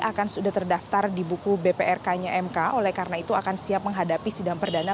akan sudah terdaftar di buku bprk nya mk oleh karena itu akan siap menghadapi sidang perdana